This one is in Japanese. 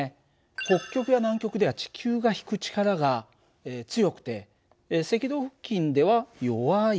北極や南極では地球が引く力が強くて赤道付近では弱いという事なんだよね。